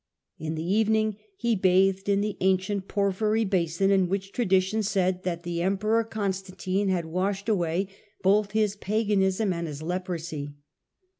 In the evening he bathed in the ancient porphyry basin in which tradition said that the Emperor I Constantine had washed away both his paganism and his leprosy.